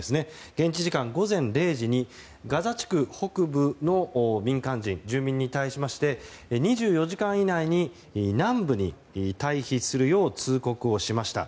現地時間午前０時にガザ地区北部の民間人、住民に対し２４時間以内に南部に退避するよう通告をしました。